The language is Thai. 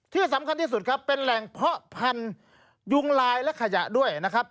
ที่สำคัญที่สุดครับเป็นแหล่งเพาะพันธุ์ยุงลายและขยะด้วยนะครับ